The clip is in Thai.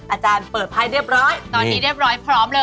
อาจารย์เปิดภายเรียบร้อย